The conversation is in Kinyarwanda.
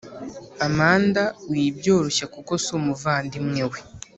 amanda wibyoroshya kuko sumuvandimwe we